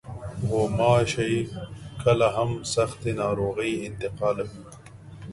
غوماشې کله هم سختې ناروغۍ انتقالوي.